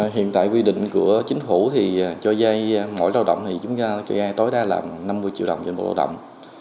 hiện tại quy định của chính phủ thì cho dây mỗi lao động thì chúng tối đa là năm mươi triệu đồng trên một lao động